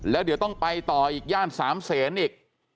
แล้วเดี๋ยวต้องไปต่ออีกย่านสามเศษอีก